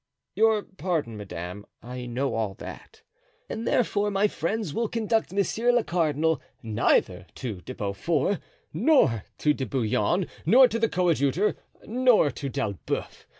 "Your pardon, madame, I know all that. And therefore my friends will conduct monsieur le cardinal neither to De Beaufort, nor to De Bouillon, nor to the coadjutor, nor to D'Elbeuf.